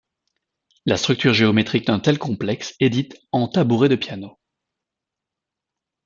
La structure géométrique d'un tel complexe est dite en tabouret de piano.